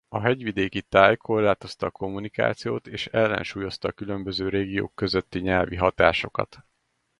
A hegyvidéki táj korlátozta a kommunikációt és ellensúlyozta a különböző régiók közötti nyelvi hatásokat.